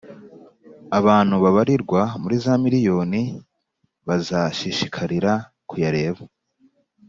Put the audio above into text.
abantu babarirwa muri za miriyoni bazashishikarira kuyareba